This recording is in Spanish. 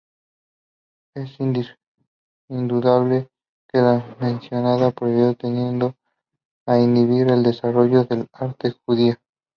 Es indudable que la mencionada prohibición tendió a inhibir el desarrollo del arte judío.